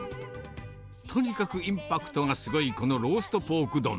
とにかくインパクトがすごいこのローストポーク丼。